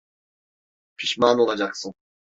Pişman olacaksın.